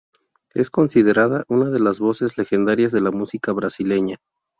Es considerada una de las voces legendarias de la música brasileña.